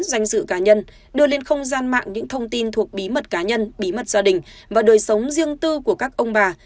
danh dự cá nhân đưa lên không gian mạng những thông tin thuộc bí mật cá nhân bí mật gia đình và đời sống riêng tư của các ông bà